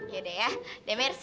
yaudah ya deh mercy